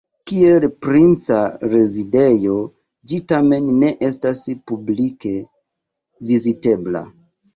Kiel princa rezidejo ĝi tamen ne estas publike vizitebla.